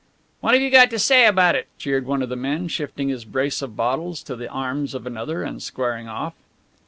"What you got to say about it?" jeered one of the men, shifting his brace of bottles to the arms of another and squaring off.